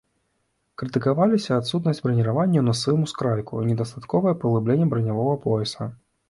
Крытыкаваліся адсутнасць браніравання ў насавым ускрайку і недастатковае паглыбленне бранявога пояса.